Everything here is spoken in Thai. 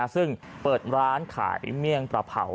ซึ่งเปิดร้านขายเมี่ยงปลาเผา